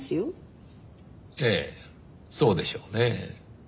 ええそうでしょうねぇ。